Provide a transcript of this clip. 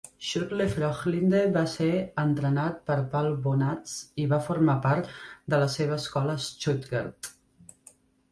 Schulte-Frohlinde va ser entrenat per Paul Bonatz i va formar part de la seva escola a Stuttgart.